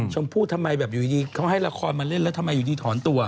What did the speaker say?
ชมพู่ทำไมแบบอยู่ดีเขาให้ละครมาเล่นแล้วทำไมอยู่ดีถอนตัว